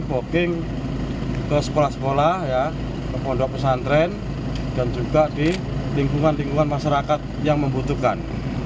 bocking ke sekolah sekolah ke pondok pesantren dan juga di lingkungan lingkungan masyarakat yang membutuhkan